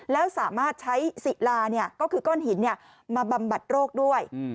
แล้วสามารถใช้ศิลาก็คือก้อนหินมาบำบัดโรคด้วย